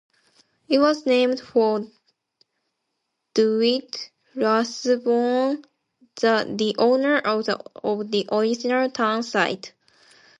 It was named for Dwight Rathbone, the owner of the original town site.